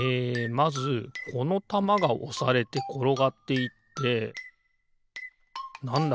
まずこのたまがおされてころがっていってなんだ？